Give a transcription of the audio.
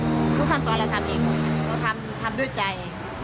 ทุกขั้นตอนเราทำเองเราทำทำด้วยใจ